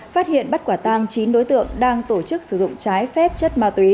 phát hiện bắt quả tang chín đối tượng đang tổ chức sử dụng trái phép chất ma túy